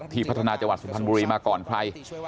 ที่พัฒนาจังหวัดสุภัณฑ์บุรีมาก่อนไพร